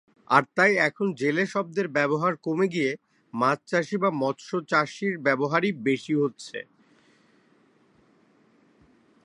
আর তাই এখন জেলে শব্দের ব্যবহার কমে গিয়ে ‘মাছ চাষী’ বা ‘মৎস্য চাষী’র ব্যবহার-ই বেশি হচ্ছে।